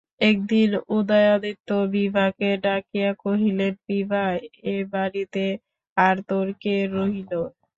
একদিন উদয়াদিত্য বিভাকে ডাকিয়া কহিলেন, বিভা, এ-বাড়িতে আর তোর কে রহিল?